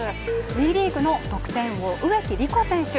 ＷＥリーグの得点王、植木理子選手。